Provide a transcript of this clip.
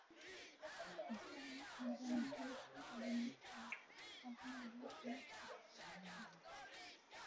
The Stirling engine is used for cabin heat, windshield defrosting and battery recharging.